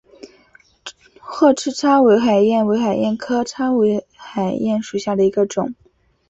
褐翅叉尾海燕为海燕科叉尾海燕属下的一个种。